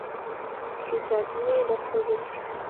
kitaach inendet kokeny